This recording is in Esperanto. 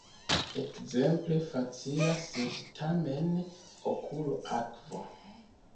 Ekzemple: "facila, sed, tamen, okulo, akvo".